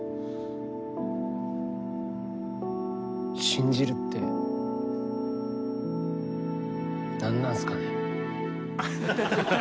信じるって何なんすかね？